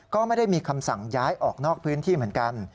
ก็ไม่ได้มีคำสั่งย้ายออกนอกพื้นที่เหมือนกัน